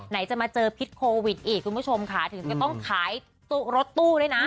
จะมาเจอพิษโควิดอีกคุณผู้ชมค่ะถึงจะต้องขายรถตู้ด้วยนะ